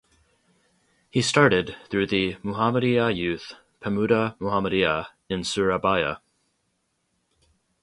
He started through the Muhammadiyah Youth ("Pemuda Muhammadiyah") in Surabaya.